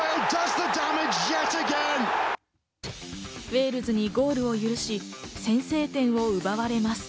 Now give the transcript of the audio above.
ウェールズにゴールを許し、先制点を奪われます。